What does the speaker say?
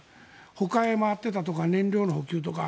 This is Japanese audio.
ほかへ回っていたとか燃料の補給とか。